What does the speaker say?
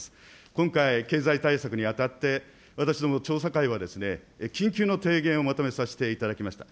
今回、経済対策にあたって、私ども調査会は緊急の提言をまとめさせていただきました。